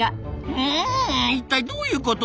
うん一体どういうこと？